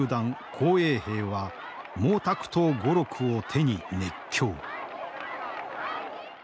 紅衛兵は「毛沢東語録」を手に熱狂。